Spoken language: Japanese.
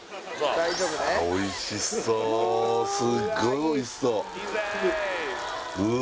おいしそうすっごいおいしそううわ